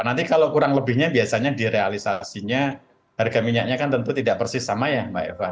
nanti kalau kurang lebihnya biasanya direalisasinya harga minyaknya kan tentu tidak persis sama ya mbak eva